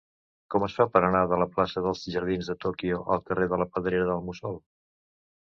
Com es fa per anar de la plaça dels Jardins de Tòquio al carrer de la Pedrera del Mussol?